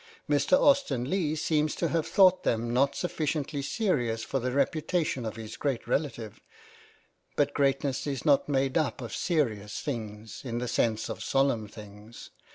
Mr. Austen I Leigh seems to have thought them not sufficiently serious for the reputation of his great relative ; but greatness is not made up of serious things, in the sense of solemn things.